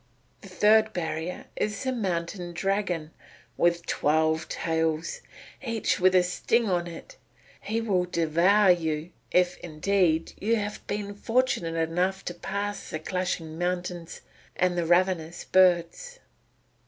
The third barrier is the Mountain Dragon with twelve tails, each with a sting in it. He will devour you if indeed you have been fortunate enough to pass the clashing mountains and the ravenous birds."